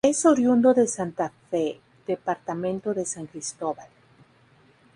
Es oriundo de Santa Fe, Departamento de San Cristóbal.